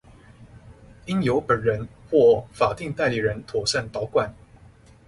應由本人或法定代理人妥善保管